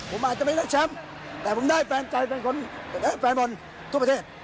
ผมอาจจะเป็นนักแชมป์แต่ผมได้แฟนมนต์ทั่วประเทศ